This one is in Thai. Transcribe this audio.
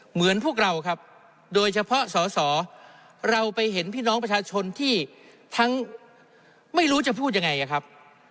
เหมือนพวกเราครับโดยเฉพาะสอสอเราไปเห็นพี่น้องประชาชนที่ทั้งไม่รู้จะพูดยังไงครับ